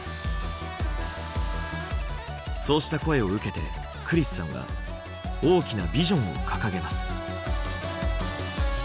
そうした声を受けてクリスさんは大きなビジョンを掲げます。